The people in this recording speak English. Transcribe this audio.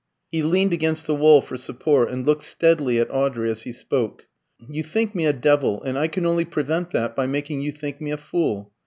He leaned against the wall for support, and looked steadily at Audrey as he spoke. "You think me a devil, and I can only prevent that by making you think me a fool.